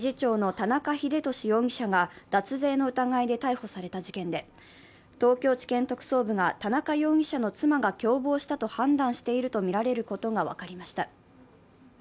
田中英寿容疑者が脱税の疑いで逮捕された事件で、東京地検特捜部が田中容疑者の妻が共謀したと判断しているとみられることが分かりました。